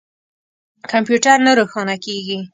کمپیوټر نه روښانه کیږي